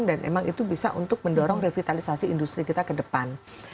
dan memang itu bisa untuk mendorong revitalisasi industri kita ke depan